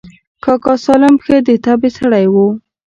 کاکا سالم ښه د طبعې سړى و.